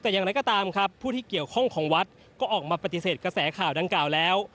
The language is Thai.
แต่อย่างไรก็ตามครับผู้ที่เกี่ยวข้องของวัดก็ออกมาปฏิเสธกระแสข่าวดังกล่าวแล้ว